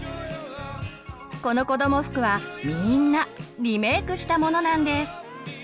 このこども服はみんなリメークしたものなんです。